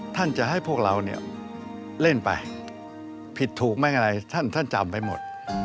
ท่านจะให้พวกเราเนี่ยเล่นไปผิดถูกแม่งอะไรท่านจำไปหมด